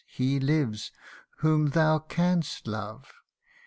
he lives, whom thou canst love.